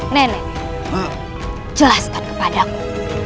nenek jelaskan kepadaku